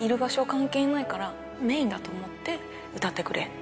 関係ないから、メインだと思って歌ってくれ。